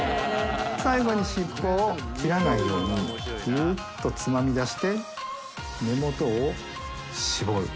最後に尻尾を切らないように亜舛辰つまみ出して気しぼる。